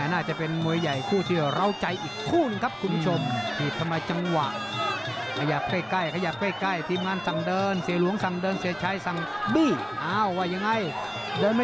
น่าจะเป็นมวยใหญ่คู่ที่เราใจอีกคู่หนึ่งครับคุณผู้ชม